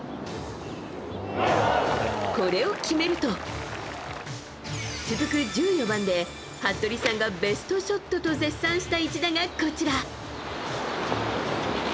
これを決めると、続く１４番で服部さんがベストショットと絶賛した一打がこちら。